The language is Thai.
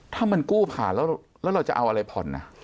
ถ้ามันกู้ผ่านแล้วเราจะเอาอะไรผ่อน